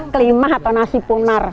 kelimah atau nasi punar